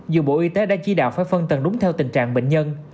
dù bộ y tế đã chỉ đạo phải phân tầng đúng theo tình trạng bệnh nhân